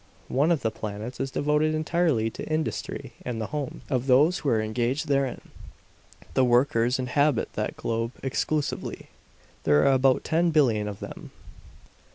One of the planets is devoted entirely to industry and the homes of those who are engaged therein; the workers inhabit that globe exclusively. There are about ten billion of them.